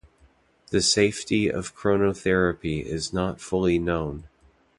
The safety of chronotherapy is not fully known.